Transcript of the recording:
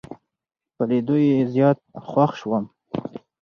په لیدو یې زیات خوښ شوم.